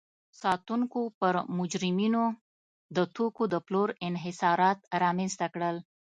ساتونکو پر مجرمینو د توکو د پلور انحصارات رامنځته کړل.